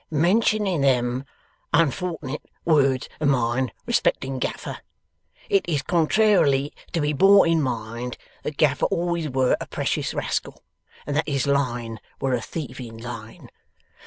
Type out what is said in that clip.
Mentioning them unfort'net words of mine respecting Gaffer, it is contrairily to be bore in mind that Gaffer always were a precious rascal, and that his line were a thieving line.